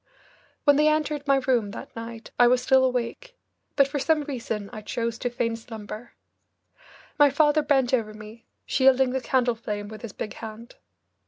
When they entered my room that night I was still awake, but for some reason I chose to feign slumber. My father bent over me, shielding the candle flame with his big hand.